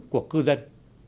của cư dân